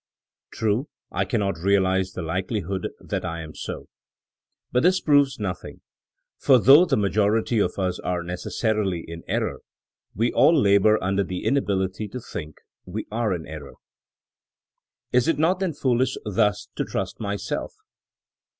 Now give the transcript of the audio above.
True, I cannot realize the likelihood that I am so. But this proves nothing; for though the majority of us are necessarily in error, we all labor under the inability to think 09 100 THINEINO AS A 80IEN0E we are in error. Is it not then foolish thus to trust myself